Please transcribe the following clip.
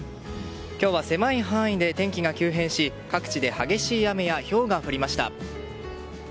今日は狭い範囲で天気が急変し各地で激しい雨やひょうが降りました。